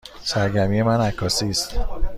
سرگرمی من عکاسی است.